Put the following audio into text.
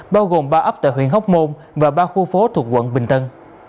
bao gồm ba ấp tại huyện hóc môn và ba khu phố thuộc quận bình tân